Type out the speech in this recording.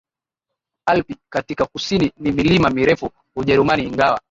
Alpi katika kusini ni milima mirefu Ujerumani ingawa